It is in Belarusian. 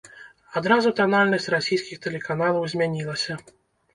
Адразу танальнасць расійскіх тэлеканалаў змянілася.